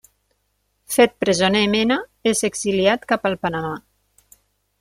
Fet presoner Mena és exiliat cap al Panamà.